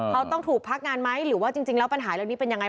เขาต้องถูกพักงานไหมหรือว่าจริงแล้วปัญหาเรื่องนี้เป็นยังไง